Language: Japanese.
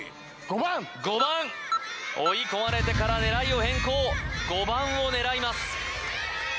５番追い込まれてから狙いを変更５番を狙います